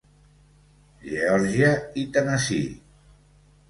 Geòrgia i Tennessee.